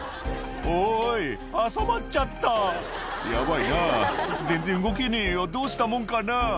「おい挟まっちゃった」「ヤバいな全然動けねえよどうしたもんかな」